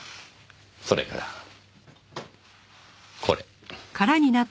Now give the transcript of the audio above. それからこれ。